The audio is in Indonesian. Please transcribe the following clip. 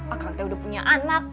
akang teh udah punya anak